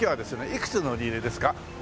いくつ乗り入れですか？